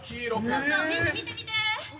ちょっとみんな見て見て。